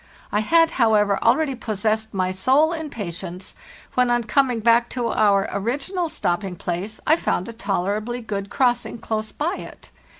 I had, however, already possessed my soul in patience, when, on coming back to our original stopping place, I found a tolerably good crossing close by it.